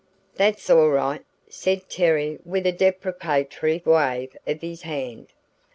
"That's all right," said Terry with a deprecatory wave of his hand.